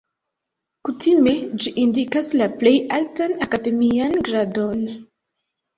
Kutime ĝi indikas la plej altan akademian gradon.